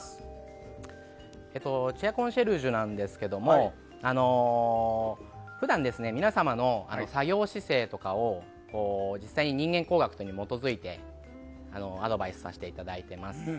チェアコンシェルジュですが普段、皆様の作業姿勢とかを実際に人間工学に基づいてアドバイスさせていただいています。